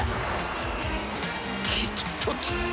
［激突］